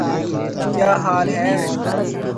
کیا حال ہے؟